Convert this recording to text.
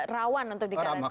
rawan untuk dikaretkan